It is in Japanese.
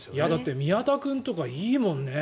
宮田君とかいいもんね。